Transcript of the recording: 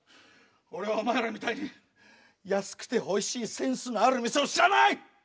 俺はお前らみたいに安くておいしいセンスのある店を知らない！